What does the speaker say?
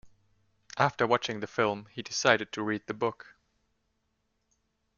After watching the film, he decided to read the book.